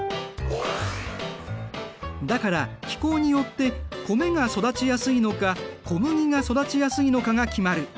だから気候によって米が育ちやすいのか小麦が育ちやすいのかが決まる。